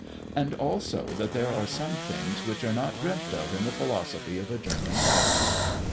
"And also that there are some things which are not dreamt of in the philosophy of a German Doctor.